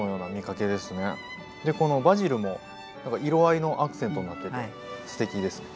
でこのバジルも色合いのアクセントになっててすてきですね。